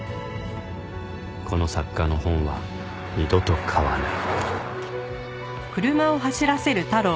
この作家の本は二度と買わない